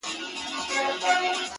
دا دی لمبهوړمه له اوره سره مينه کوم!!